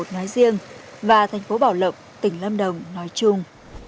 nói riêng và thành phố bảo lộc tỉnh lâm đồng nói chung